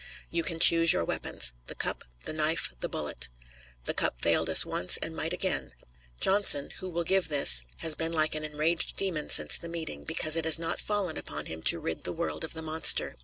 You can choose your weapons. The cup, the knife, the bullet. The cup failed us once, and might again. Johnson, who will give this, has been like an enraged demon since the meeting, because it has not fallen upon him to rid the world of the monster.